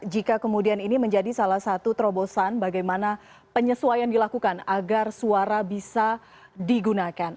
jika kemudian ini menjadi salah satu terobosan bagaimana penyesuaian dilakukan agar suara bisa digunakan